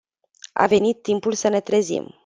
A venit timpul să ne trezim.